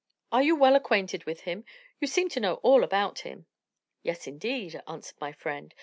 "Are you well acquainted with him? You seem to know all about him." "Yes, indeed," answered my friend.